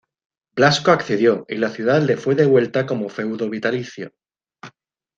Blasco accedió y la ciudad le fue devuelta como feudo vitalicio.